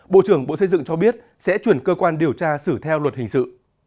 bộ trưởng bộ xây dựng cho biết sẽ chuyển cơ quan điều tra xử theo luật hình sự